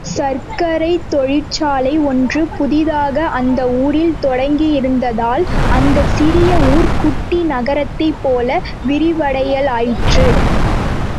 சர்க்கரைத் தொழிற்சாலை ஒன்று புதிதாக அந்த ஊரில் தொடங்கியிருந்ததால், அந்த சிறிய ஊர் குட்டி நகரத்தைப் போல விரிவடையலாயிற்று.